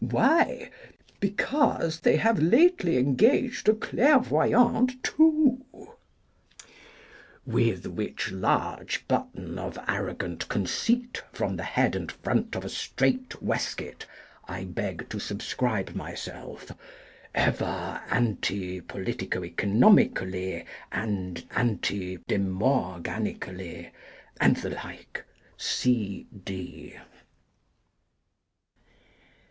Why ? Because they have lately engaged a clair voyante, too !" With which large button of arrogant conceit from the head and front of a strait waistcoat, I beg to subscribe myself, Ever Anti Politico Economically, Anti De Morganically, and the like, CD.